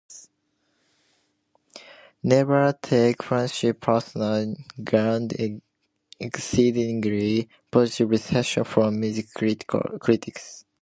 "Never Take Friendship Personal" garnered exceedingly positive reception from Music critics.